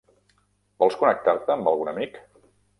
Vols connectar-te amb algun amic?